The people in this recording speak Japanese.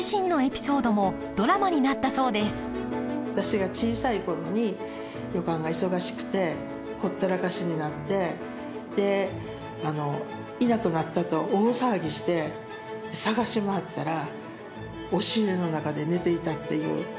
私が小さい頃に旅館が忙しくてほったらかしになってでいなくなったと大騒ぎして捜し回ったら押し入れの中で寝ていたっていう。